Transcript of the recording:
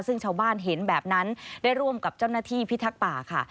ซึ่งชาวบ้านเห็นแบบนั้นได้ร่วมกับเจ้าหน้าที่พิทักษ์ป่าค่ะ